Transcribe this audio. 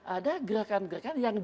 ada gerakan gerakan yang